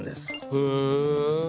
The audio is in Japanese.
へえ。